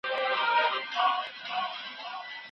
د قانون حاکمیت د ټولني ضرورت دی.